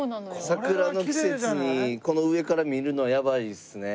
桜の季節にこの上から見るのはやばいっすね。